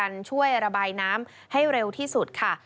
กำลังเร่งมือกันช่วยระบายน้ำให้เร็วที่สุดค่ะ